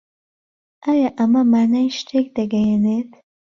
ئایا ئەمە مانای شتێک دەگەیەنێت؟